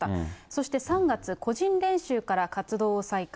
そして３月、個人練習から活動を再開。